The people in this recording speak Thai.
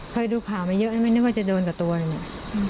เคยดูข่าวมาเยอะไม่นึกว่าจะโดนกับตัวเลยเนี่ย